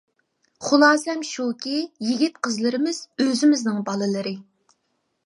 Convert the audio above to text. خۇلاسەم شۇكى يىگىت قىزلىرىمىز ئۆزىمىزنىڭ بالىلىرى!